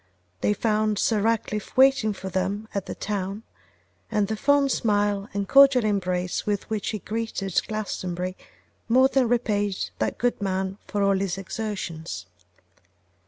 They found Sir Ratcliffe waiting for them at the town, and the fond smile and cordial embrace with which he greeted Glastonbury more than repaid that good man for all his exertions.